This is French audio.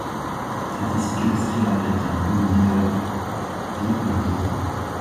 C'est ici que le skieur américain Bode Miller vit le jour.